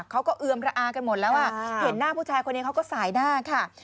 เอือมระอากันหมดแล้วอ่ะเห็นหน้าผู้ชายคนนี้เขาก็สายหน้าค่ะ